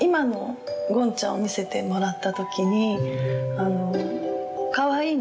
อยากใจจากครอบครู่ที่จะแข็งขึ้นละเนียน